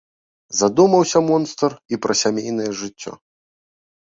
Задумаўся монстр і пра сямейнае жыццё.